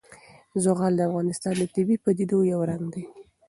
زغال د افغانستان د طبیعي پدیدو یو رنګ دی.